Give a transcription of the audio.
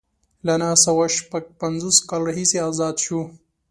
له نهه سوه شپږ پنځوس کال راهیسې ازاد شو.